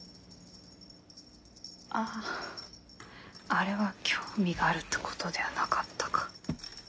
あああれは興味があるってことではなかったか。